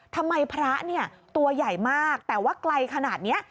ทำไมพระตัวใหญ่มากแต่ว่ากลายขนาดนี้